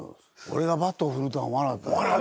俺がバットを振るとは思わなかったな。